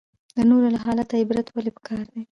د نورو له حاله عبرت ولې پکار دی؟